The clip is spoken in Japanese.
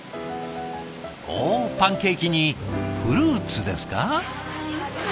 おおパンケーキにフルーツですか。